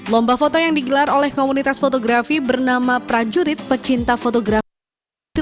lomba foto yang digelar oleh komunitas fotografi bernama prajurit pecinta fotografi